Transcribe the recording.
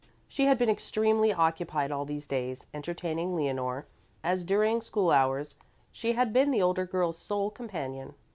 She had been extremely occupied all these days entertaining Leonore, as during school hours she had been the older girl's sole companion.